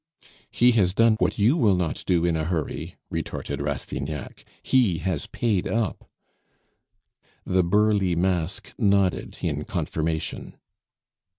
"He has done what you will not do in a hurry," retorted Rastignac; "he has paid up." The burly mask nodded in confirmation.